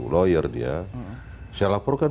lawyer dia saya laporkan